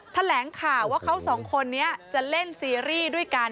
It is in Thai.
แถลงข่าวว่าเขาสองคนนี้จะเล่นซีรีส์ด้วยกัน